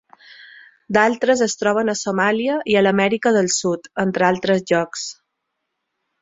D'altres es troben a Somàlia i a l'Amèrica del Sud, entre altres llocs.